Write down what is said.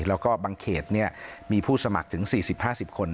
แล้วก็บางเขตมีผู้สมัครถึง๔๐๕๐คน